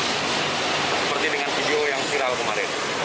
seperti dengan video yang viral kemarin